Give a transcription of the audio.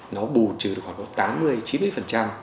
nó bù trừ khoảng tám mươi chín mươi